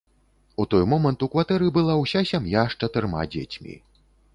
У той момант у кватэры была ўся сям'я з чатырма дзецьмі.